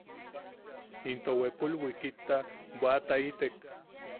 Into wepul wikitta bwa’ataitek.